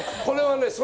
これはね